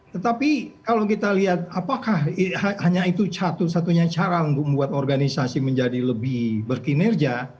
tetapi kalau kita lihat apakah hanya itu satu satunya cara untuk membuat organisasi menjadi lebih berkinerja